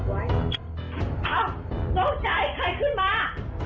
อ้าวน้องจ่ายใครขึ้นมา